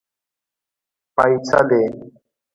پايڅۀ دې.